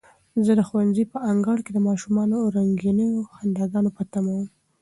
زه د ښوونځي په انګړ کې د ماشومانو د رنګینو خنداګانو په تمه وم.